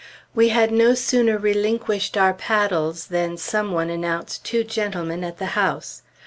We had no sooner relinquished our paddles than some one announced two gentlemen at the house.